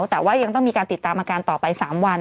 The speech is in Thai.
แต่ว่ายังต้องมีการติดตามอาการต่อไป๓วัน